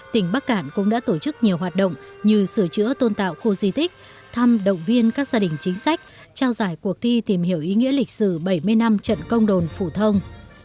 tỉnh bắc cạn cũng đã tổ chức nhiều hoạt động như sửa chữa tôn tạo khu di tích thăm động viên các gia đình chính sách trao giải cuộc thi tìm hiểu ý nghĩa lịch sử bảy mươi năm trận công đồn phủ thông